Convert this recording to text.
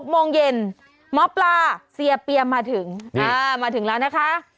โมงเย็นหมอปลาเสียเปียมมาถึงมาถึงแล้วนะคะ